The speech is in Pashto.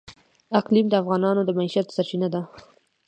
اقلیم د افغانانو د معیشت سرچینه ده.